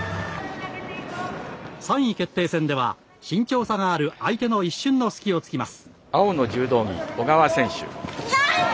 ３位決定戦では身長差がある相手の一瞬の隙を突きます。